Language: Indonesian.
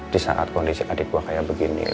di saat kondisi adik gue kayak begini